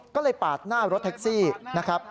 ก็เลยปาดหน้ารถแท็กซี่นะครับ